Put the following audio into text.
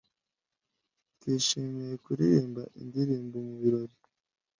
Twishimiye kuririmba indirimbo mu birori.